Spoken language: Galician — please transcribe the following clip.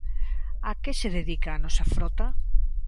¿A que se dedica a nosa frota?